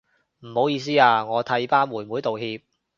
唔好意思啊，我替班妹妹道歉